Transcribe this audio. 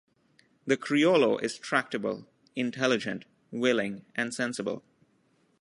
The criollo is tractable, intelligent, willing and sensible.